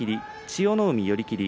千代の海、寄り切り。